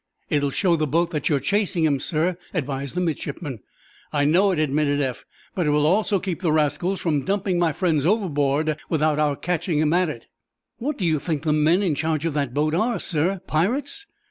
"It'll show the boat that you're chasing 'em, sir," advised the midshipman. "I know it," admitted Eph. "But it will also keep the rascals from dumping my friends overboard without our catching 'em at it." "What do you think the men in charge of that boat are, sir—pirates?"